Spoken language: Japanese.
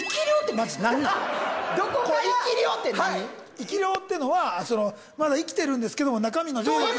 生霊ってのはまだ生きてるんですけども中身の霊だけ。